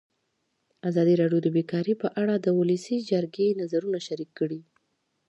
ازادي راډیو د بیکاري په اړه د ولسي جرګې نظرونه شریک کړي.